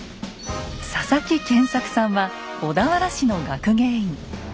佐々木健策さんは小田原市の学芸員。